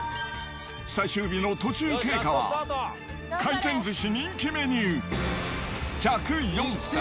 最終日の途中経過は、回転寿司人気メニュー１０４皿。